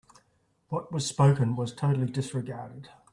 What was spoken was totally disregarded.